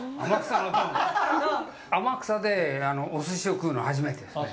天草でおすしを食うの初めてですね。